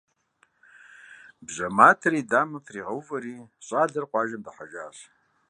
Бжьэ матэр и дамэм тригъэувэри, щӏалэр къуажэм дыхьэжащ.